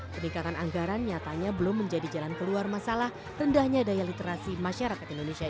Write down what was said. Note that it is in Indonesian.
peningkatan anggaran nyatanya belum menjadi jalan keluar masalah rendahnya daya literasi masyarakat indonesia